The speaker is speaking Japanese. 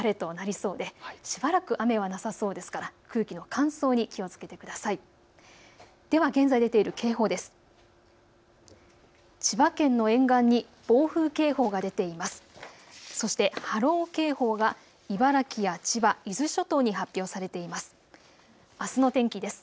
そして波浪警報が茨城や千葉、伊豆諸島に発表されています。